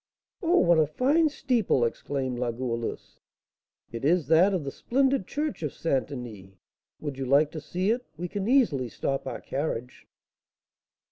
"Oh, what a fine steeple!" exclaimed La Goualeuse. "It is that of the splendid church of St. Denis: would you like to see it? We can easily stop our carriage."